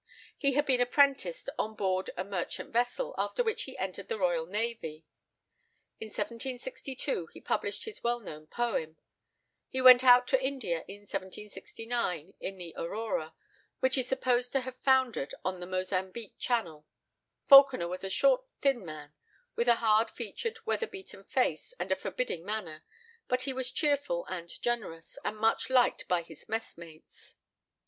He had been apprenticed on board a merchant vessel, after which he entered the royal navy. In 1762 he published his well known poem. He went out to India in 1769, in the Aurora, which is supposed to have foundered in the Mozambique Channel. Falconer was a short thin man, with a hard featured, weather beaten face and a forbidding manner; but he was cheerful and generous, and much liked by his messmates.